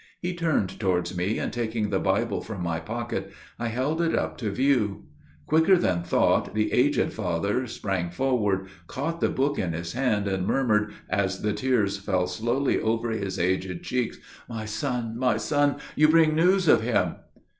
He turned towards me, and taking the Bible from my pocket, I held it up to view. Quicker than thought, the aged father sprang forward, caught the book in his hand, and murmured, as the tears fell slowly over his aged cheeks: "My son, my son, you bring news of him."